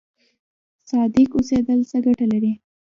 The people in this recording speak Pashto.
صادق اوسیدل څه ګټه لري؟